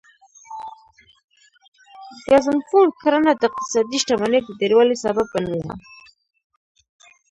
ګزنفون کرنه د اقتصادي شتمنۍ د ډیروالي سبب ګڼله